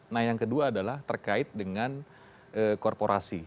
nah yang kedua adalah terkait dengan korporasi